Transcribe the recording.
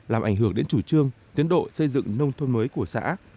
làm ảnh hưởng đến chủ trương tiến độ xây dựng nông thôn mới của xã